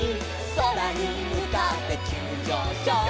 「そらにむかってきゅうじょうしょう」